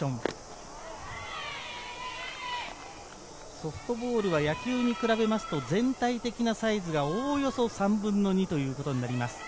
ソフトボールは野球に比べると全体的なサイズがおよそ３分の２ということになります。